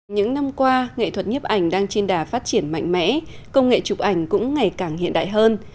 những năm qua nghệ thuật nhiếp ảnh đang trên đà phát triển mạnh mẽ công nghệ chụp ảnh cũng ngày càng hiện đại hơn